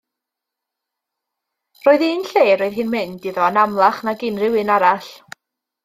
Roedd un lle roedd hi'n mynd iddo yn amlach nag unrhyw un arall.